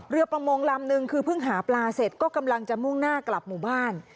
ประมงลำนึงคือเพิ่งหาปลาเสร็จก็กำลังจะมุ่งหน้ากลับหมู่บ้าน